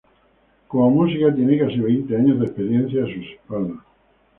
Como músico, tiene casi veinte años de experiencia a sus espaldas.